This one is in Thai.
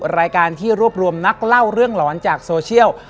รายการที่รวบรวมนักเล่าเรื่องหลอนจากโซเชียล